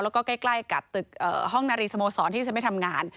แล้วก็ใกล้กับตึกห้องนารีสโมสรที่จะไปทำงาน